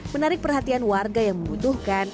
menarik perhatian warga yang membutuhkan